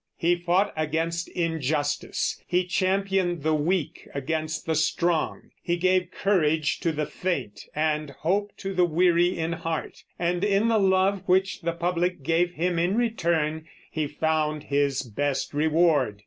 He fought against injustice; he championed the weak against the strong; he gave courage to the faint, and hope to the weary in heart; and in the love which the public gave him in return he found his best reward.